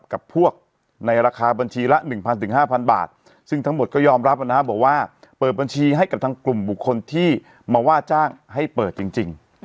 กับพวกในราคาบัญชีละ๑๐๐๕๐๐บาทซึ่งทั้งหมดก็ยอมรับนะฮะบอกว่าเปิดบัญชีให้กับทางกลุ่มบุคคลที่มาว่าจ้างให้เปิดจริง